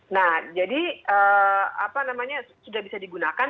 nah jadi apa namanya sudah bisa digunakan